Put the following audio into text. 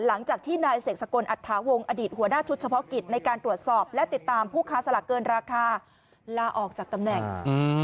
หลังจากที่นายเสกสกลอัตถาวงอดีตหัวหน้าชุดเฉพาะกิจในการตรวจสอบและติดตามผู้ค้าสลากเกินราคาลาออกจากตำแหน่งอืม